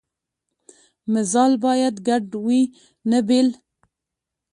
مزال باید ګډ وي نه بېل.